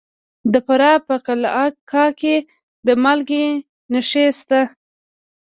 د فراه په قلعه کاه کې د مالګې نښې شته.